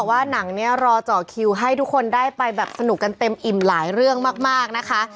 ว่าหนังเนี่ยรอเจาะคิวให้ทุกคนได้ไปแบบสนุกกันเต็มอิ่มหลายเรื่องมากนะคะ